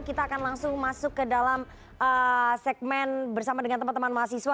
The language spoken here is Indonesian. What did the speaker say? kita akan langsung masuk ke dalam segmen bersama dengan teman teman mahasiswa